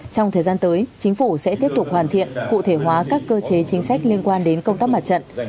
trong thời gian tới chính phủ sẽ tiếp tục hoàn thiện cụ thể hóa các cơ chế chính sách liên quan đến công tác mặt trận